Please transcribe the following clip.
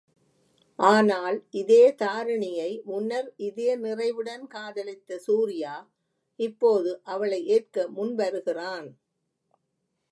ஆனால் இதே தாரிணியை முன்னர் இதய நிறைவுடன் காதலித்த சூர்யா, இப்போது அவளை எற்க முன்வருகிறான்.